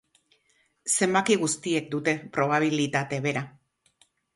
Zenbaki guztiek dute probabilitate bera.